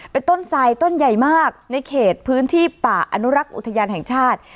เป็นต้นทรายต้นใหญ่มากในเขตพื้นที่ป่าอนุรักษ์อุทยานแห่งชาติ